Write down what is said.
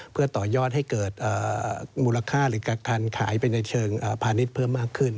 เพื่อต่อยอดให้เกิดมูลค่าหรือการขายไปในเชิงพาณิชย์เพิ่มมากขึ้น